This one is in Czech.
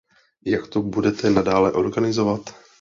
Jak to budete nadále organizovat?